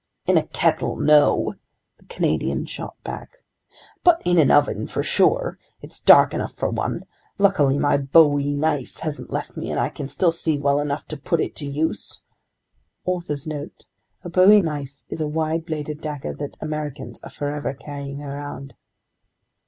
"In a kettle, no," the Canadian shot back, "but in an oven for sure. It's dark enough for one. Luckily my Bowie knife hasn't left me, and I can still see well enough to put it to use.* The first one of these bandits who lays a hand on me—" *Author's Note: A Bowie knife is a wide bladed dagger that Americans are forever carrying around.